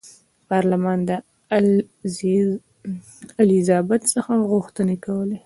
پارلمان له الیزابت څخه غوښتنې کولې.